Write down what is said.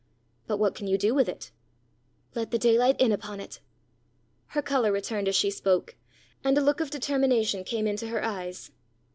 "But what can you do with it?" "Let the daylight in upon it." Her colour returned as she spoke, and a look of determination came into her eyes.